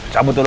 cabut dulu gue